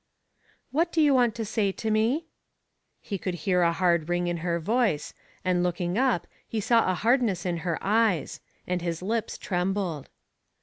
" What do you want to say to me ?" He could hear a hard ring in her voice, and looking up he saw a hardness in her eyes, and his lips trembled.